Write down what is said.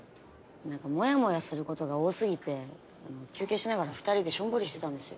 何かモヤモヤすることが多過ぎて休憩しながら２人でションボリしてたんですよ。